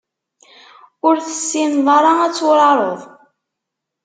Ur tessineḍ ara ad turareḍ.